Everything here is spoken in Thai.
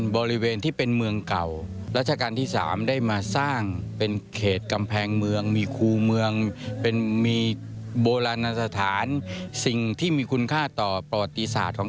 ของการจรรยาบุรีเป็นอย่างไร